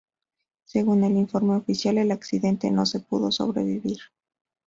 Según el informe oficial, el accidente no se pudo sobrevivir.